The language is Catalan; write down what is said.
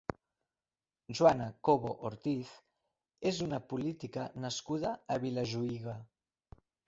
Joana Cobo Ortiz és una política nascuda a Vilajuïga.